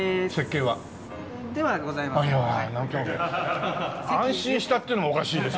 安心したっていうのもおかしいですけどね。